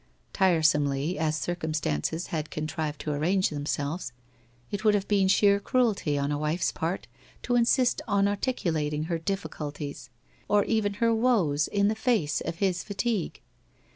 Tiresomely as circumstances had contrived to arrange themselves, it would have been sheer cruelty on a wife's part to insist on articulating her difficulties or even her woes in the face of his fatigue.